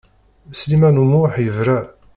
Sliman U Muḥ yebra.